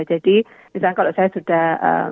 jadi misalnya kalau saya sudah